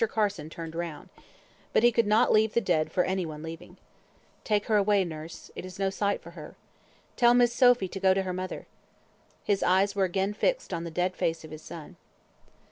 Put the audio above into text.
Carson turned round. But he could not leave the dead for any one living. "Take her away, nurse. It is no sight for her. Tell Miss Sophy to go to her mother." His eyes were again fixed on the dead face of his son.